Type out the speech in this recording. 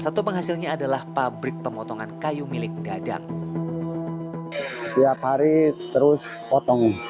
satu penghasilnya adalah pabrik pemotongan kayu milik dadang tiap hari terus potong